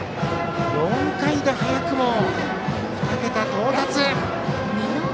４回で早くも２桁到達。